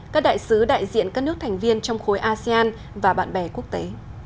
các đại sứ đại diện các nước thành viên trong khối asean và bạn bè quốc tế